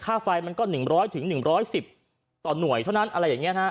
ไฟมันก็๑๐๐๑๑๐ต่อหน่วยเท่านั้นอะไรอย่างนี้ฮะ